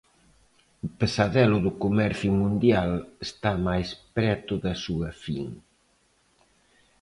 O pesadelo do comercio mundial está máis preto da súa fin.